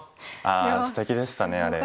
ああすてきでしたねあれ。